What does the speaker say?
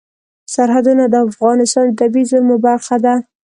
سرحدونه د افغانستان د طبیعي زیرمو برخه ده.